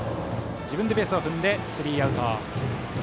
自分でベースを踏んでスリーアウト。